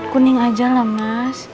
kuning aja lah mas